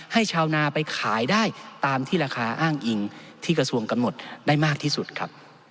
ชาวนาไปขายได้ตามที่ราคาอ้างอิงที่กระทรวงกำหนดได้มากที่สุดครับ